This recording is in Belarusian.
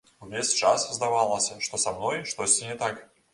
Увесь час здавалася, што са мной штосьці не так.